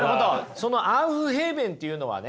そのアウフヘーベンっていうのはね